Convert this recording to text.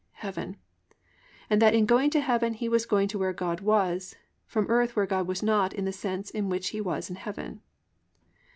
heaven—and that in going to heaven he was going to where God was, from earth where God was not in the sense in which He was in heaven.